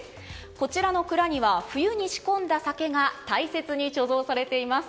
こちらの蔵には冬に仕込んだ酒が大切に貯蔵されています。